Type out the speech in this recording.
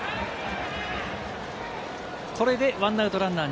これで１アウトランナー